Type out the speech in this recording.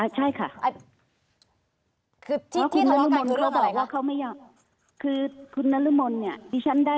ใช่ค่ะ